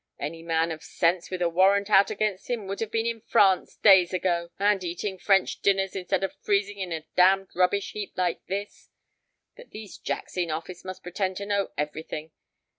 Any man of sense with a warrant out against him would have been in France days ago and eating French dinners instead of freezing in a damned rubbish heap like this. But these Jacks in Office must pretend to know everything.